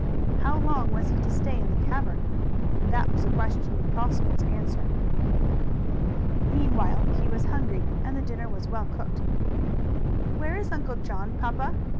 How long was he to stay in the cavern? That was a question impossible to answer. Meanwhile he was hungry and the dinner was well cooked. "Where is Uncle John, papa?"